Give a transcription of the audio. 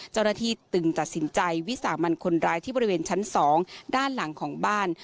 จึงตัดสินใจวิสามันคนร้ายที่บริเวณชั้น๒ด้านหลังของบ้าน